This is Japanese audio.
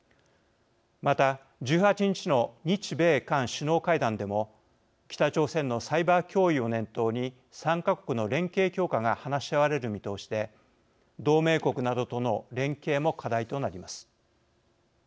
また１８日の日米韓首脳会談でも北朝鮮のサイバー脅威を念頭に３か国の連携強化が話し合われる見通しで同盟国などとの連携も課題となります。